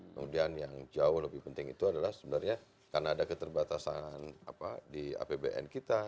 kemudian yang jauh lebih penting itu adalah sebenarnya karena ada keterbatasan di apbn kita